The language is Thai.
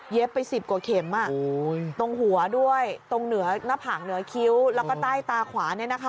ไป๑๐กว่าเข็มตรงหัวด้วยตรงเหนือหน้าผากเหนือคิ้วแล้วก็ใต้ตาขวา